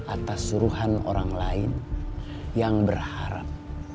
atas suruhan orang lain yang berharap